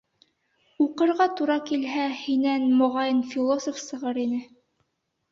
- Уҡырға тура килһә, һинән, моғайын, философ сығыр ине.